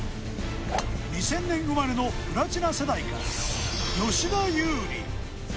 ２０００年生まれのプラチナ世代から吉田優利。